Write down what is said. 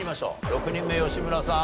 ６人目吉村さん